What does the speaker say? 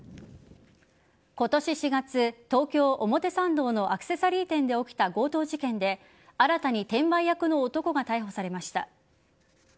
今年４月、東京・表参道のアクセサリー店で起きた強盗事件で新たに転売役の男が逮捕されました。